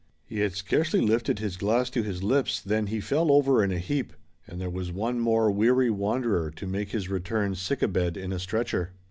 He had scarcely lifted his glass to his lips than he fell over in a heap and there was one more weary wanderer to make his return sickabed in a stretcher.